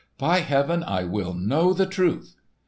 "By Heaven, I will know the truth!"